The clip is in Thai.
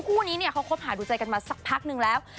คู่นี้เนี่ยเขาคบหาดูใจกันมาสักพักนึงแล้ว